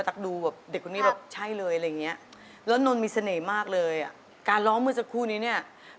ฮักอายชอบมาจนแย่ส่อยให้เป็นรักแท้สู่เรา